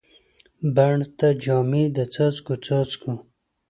بڼ ته جامې د څاڅکو، څاڅکو